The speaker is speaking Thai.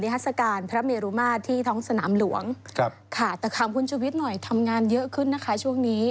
แต่ขอบคุณชวิตหน่อยทำงานเยอะขึ้นนะคะช่วงนี้